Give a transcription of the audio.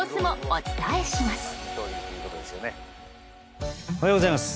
おはようございます。